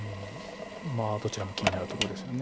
まあどちらも気になるとこですよね。